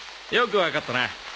よくわかったな。